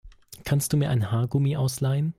Kannst du mir ein Haargummi ausleihen?